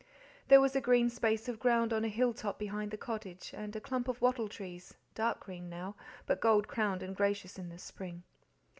There was a green space of ground on a hill top behind the cottage, and a clump of wattle trees, dark green now, but gold crowned and gracious in the spring.